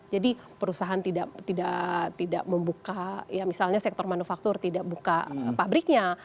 jadi perusahaan tidak membuka ya misalnya sektor manufaktur tidak membuka pabriknya